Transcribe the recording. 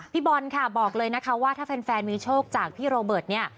พี่บอลค่ะบอกเลยนะคะว่าถ้าแฟนมีโชคจากพี่โรเบิร์ตเนี่ย